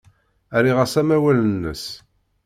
Rriɣ-as amawal-nnes.